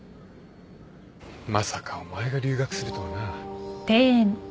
まさかお前が留学するとはな。